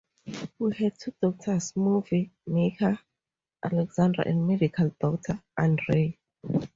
They had two daughters, movie-maker Alexandra and medical doctor Andrea.